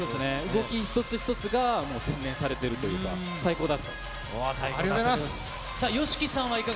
動き一つ一つが、もう洗練されているというか、最高だったです。